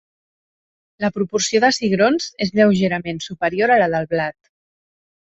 La proporció de cigrons és lleugerament superior a la del blat.